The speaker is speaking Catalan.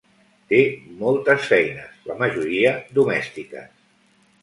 Té moltes feines, la majoria domèstiques.